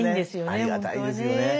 ありがたいですよね。